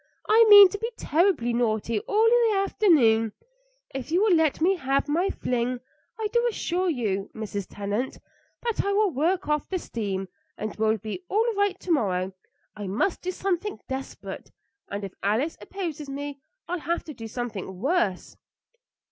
I mean to be terribly naughty all the afternoon. If you will let me have my fling, I do assure you, Mrs. Tennant, that I will work off the steam, and will be all right to morrow. I must do something desperate, and if Alice opposes me I'll have to do something worse."